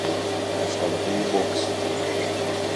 مسابقهی بوکس